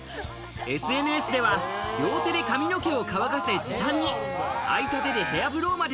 ＳＮＳでは両手で髪の毛を乾かせ、時短に。